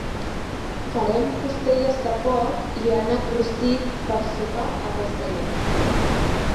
Farem costelles de porc i ànec rostit per sopar aquesta nit.